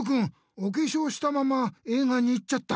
おけしょうしたまま映画に行っちゃった。